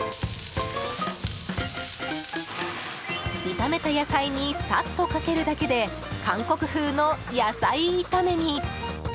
炒めた野菜にサッとかけるだけで韓国風の野菜炒めに！